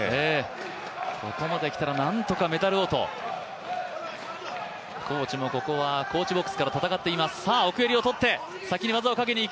ここまできたら何とかメダルをと、コーチもここはコーチボックスから戦っています。